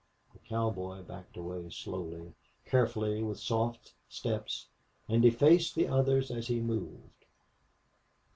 The cowboy backed away, slowly, carefully, with soft steps, and he faced the others as he moved.